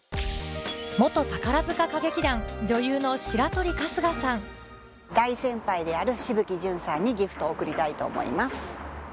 宝塚歌劇団大先輩である紫吹淳さんにギフトを贈りたいと思います。